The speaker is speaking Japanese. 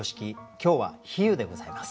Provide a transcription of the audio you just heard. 今日は「比喩」でございます。